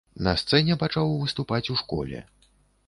На сцэне пачаў выступаць у школе.